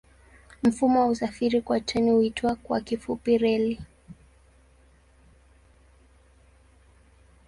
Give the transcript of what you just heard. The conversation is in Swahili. Mfumo wa usafiri kwa treni huitwa kwa kifupi reli.